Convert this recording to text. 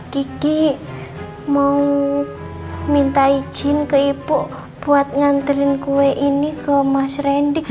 kiki mau minta izin ke ibu buat nganterin kue ini ke mas randik